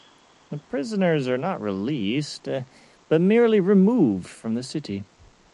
The prisoners are not released, but merely removed from the city.